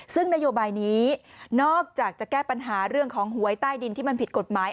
ซึ่งนโยบายนี้นอกจากจะแก้ปัญหาเรื่องของหวยใต้ดินที่มันผิดกฎหมาย